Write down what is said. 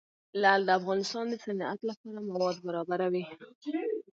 لعل د افغانستان د صنعت لپاره مواد برابروي.